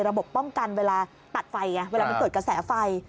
ป้องกันเวลาตัดไฟไงเวลามันเกิดกระแสไฟ